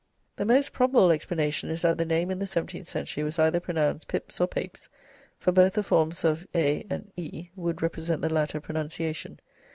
'" The most probable explanation is that the name in the seventeenth century was either pronounced 'Pips' or 'Papes'; for both the forms 'ea' and 'ey' would represent the latter pronunciation.